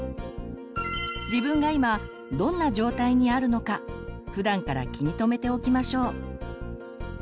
自分が今どんな状態にあるのかふだんから気に留めておきましょう。